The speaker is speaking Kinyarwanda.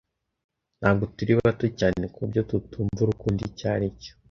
Ntabwo turi bato cyane kuburyo tutumva urukundo icyo aricyo.